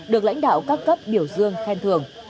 được lãnh đạo các cấp biểu dương khen thường